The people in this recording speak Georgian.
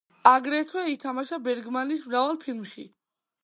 აგრეთვე ითამაშა ბერგმანის მრავალ ფილმში.